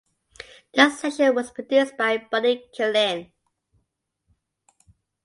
The session was produced by Buddy Killen.